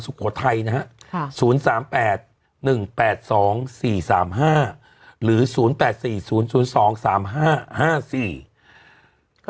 สุขไทยนะฮะค่ะศูนย์สามแปดหนึ่งแปดสองสี่สามห้า